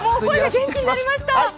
元気になりました！